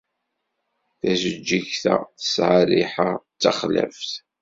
Tajeǧǧigt-a tesɛa rriḥa d taxlaft.